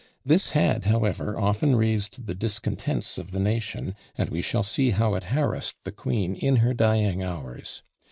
This had, however, often raised the discontents of the nation, and we shall see how it harassed the queen in her dying hours.